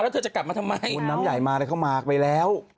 แล้วเธอจะกลับมาทำไมคนน้ำใหญ่มาแล้วเขามาไปแล้ว